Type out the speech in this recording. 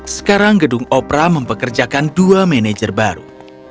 sekarang gedung opera mempekerjakan dua manajer baru